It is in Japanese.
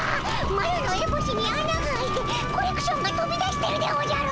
マロのエボシにあなが開いてコレクションがとび出してるでおじゃる！